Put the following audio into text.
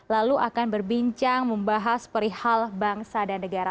lalu akan berbincang membahas perihal bangsa dan negara